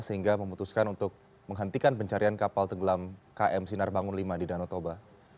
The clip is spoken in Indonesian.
sehingga memutuskan untuk menghentikan pencarian kapal tenggelam km sinar bangun v di danau toba